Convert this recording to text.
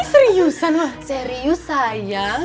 ini seriusan ma serius sayang